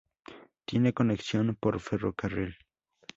Tiene conexión por ferrocarril.